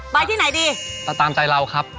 ไปที่ไหนดีไปตามใจเราครับ